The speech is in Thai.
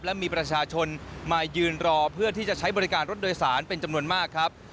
และมีประชาชนมายืนรอเพื่อที่จะใช้บริการรถโดยสารเป็นจำนวนมากครับ